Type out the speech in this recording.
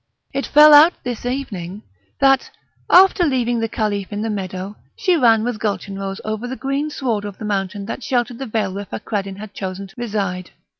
It fell out this evening that, after leaving the Caliph in the meadow, she ran with Gulchenrouz over the green sward of the mountain that sheltered the vale where Fakreddin had chosen to reside.